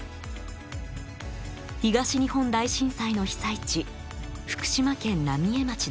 東日本大震災の被災地福島県浪江町です。